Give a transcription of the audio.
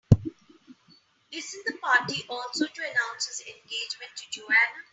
Isn't the party also to announce his engagement to Joanna?